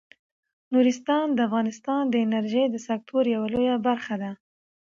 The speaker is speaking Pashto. نورستان د افغانستان د انرژۍ د سکتور یوه لویه برخه ده.